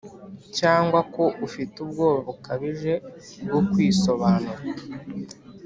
cyangwa ko ufite ubwoba bukabije bwo kwisobanura?